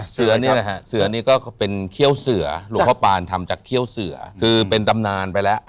เสือนี่แหละฮะเสือนี่ก็เป็นเขี้ยวเสือหลวงพ่อปานทำจากเขี้ยวเสือคือเป็นตำนานไปแล้ว